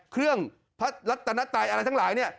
เครื่องพระรัตนตรายอะไรทั้งหลายเนี่ย